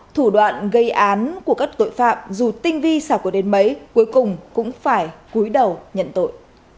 thủ đoạn gây án của các tội phạm dù tinh vi xảo có đến mấy cuối cùng cũng phải cuối đầu nhận tội